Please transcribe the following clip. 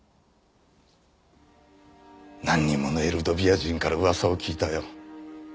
何人ものエルドビア人から噂を聞いたよ。